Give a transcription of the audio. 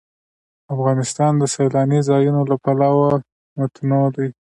افغانستان د سیلانی ځایونه له پلوه متنوع دی.